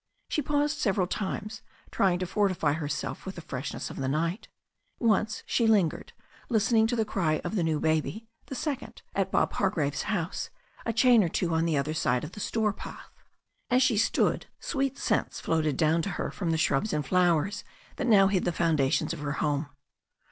She paused several times, tr3dng to fortify herself with the freshness of the night Once she lingered, listening to the cry of the new baby, the second, at Bob Hargraves* house, a chain or two on the other side of the store path. As she stood, sweet scents floated down to her from the shrubs and flowers that now hid the foundations of her home.